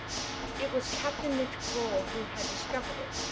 It was Capt. Nicholl who had discovered it.